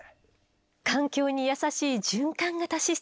環境にやさしい循環型システム。